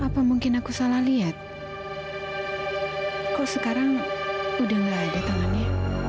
sampai jumpa di video selanjutnya